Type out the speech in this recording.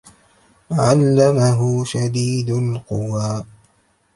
علمه شديد القوى